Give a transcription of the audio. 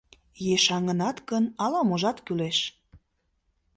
Ешаҥынат гын, ала-можат кӱлеш.